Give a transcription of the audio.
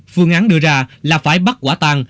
phương án đưa ra là phải bắt quả tàn